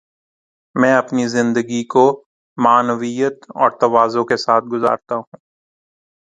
میں اپنی زندگی کو معنویت اور تواضع کے ساتھ گزارتا ہوں۔